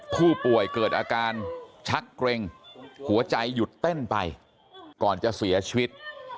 ผู้ป่วยเกิดอาการชักเกร็งหัวใจหยุดเต้นไปก่อนจะเสียชีวิต